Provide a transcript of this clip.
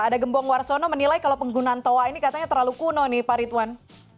pak ridwan menilai kalau penggunaan toa ini katanya terlalu kuno nih pak ridwan